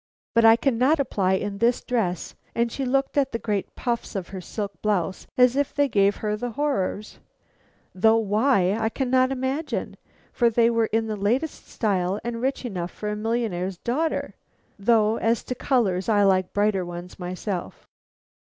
But I cannot apply in this dress,' and she looked at the great puffs of her silk blouse as if they gave her the horrors, though why, I cannot imagine, for they were in the latest style and rich enough for a millionaire's daughter, though as to colors I like brighter ones myself.